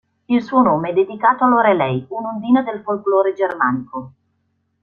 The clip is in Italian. Il suo nome è dedicato a Lorelei, un'ondina del folklore germanico.